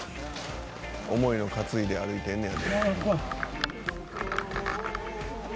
重いの担いで歩いてんねや。